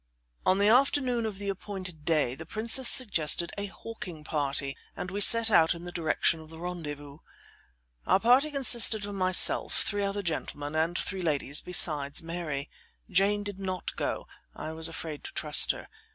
On the afternoon of the appointed day, the princess suggested a hawking party, and we set out in the direction of the rendezvous. Our party consisted of myself, three other gentlemen and three ladies besides Mary. Jane did not go; I was afraid to trust her.